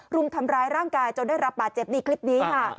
รุมทำร้ายร่างกายจนได้รับบาดเจ็บนี่คลิปนี้ค่ะ